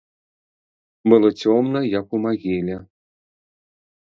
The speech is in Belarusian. Было цёмна, як у магіле.